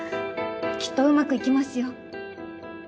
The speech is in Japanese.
きっとうまくいきますよ。